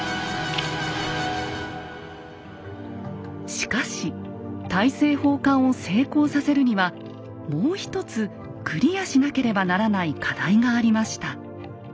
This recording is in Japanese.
しかし大政奉還を成功させるにはもう１つクリアしなければならない課題がありました。